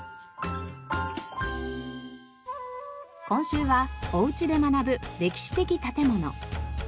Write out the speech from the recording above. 今週はおうちで学ぶ歴史的建物。